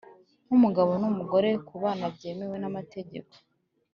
nk umugabo n umugore ku bana byemewe namategeko